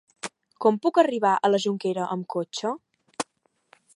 Com puc arribar a la Jonquera amb cotxe?